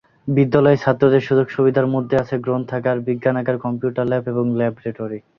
বিদ্যালয়ে ছাত্রদের সুযোগ-সুবিধার মধ্যে আছে গ্রন্থাগার, বিজ্ঞানাগার, কম্পিউটার ল্যাব ও ল্যাবরেটরি।